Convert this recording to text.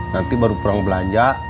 nanti baru pulang belanja